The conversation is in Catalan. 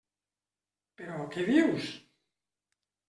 Però, què dius?